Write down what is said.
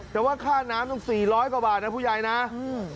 แต่ว่าค่าน้ำต้องสี่ร้อยกว่าบาทนะผู้ใหญ่นะอืม